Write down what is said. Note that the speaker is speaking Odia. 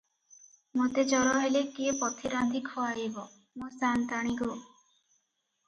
ମୋତେ ଜର ହେଲେ କିଏ ପଥି ରାନ୍ଧି ଖୁଆଇବ, ମୋ ସାଆନ୍ତାଣି ଗୋ!